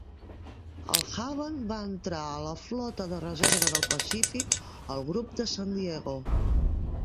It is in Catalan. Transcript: El "Haven" va entrar a la flota de reserva del Pacífic, al grup de San Diego.